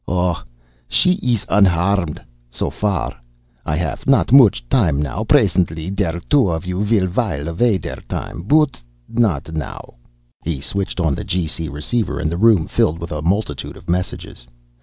"Oh, she is unharmed so far. I haff not much time now. Presently der two of you will while away der time. But not now." He switched on the G.C. receiver and the room filled with a multitude of messages.